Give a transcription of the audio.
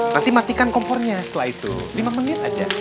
nanti matikan kompornya setelah itu lima menit aja